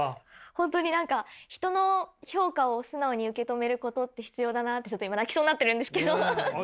本当に何か人の評価を素直に受け止めることって必要だなってちょっと今泣きそうになっているんですけど。